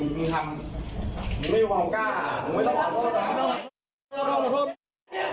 กันเหมือนมึงกล้ามึงกล้ามีกรู้ก็มึงทำง